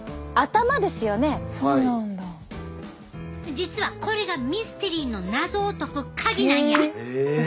実はこれがミステリーの謎を解く鍵なんや。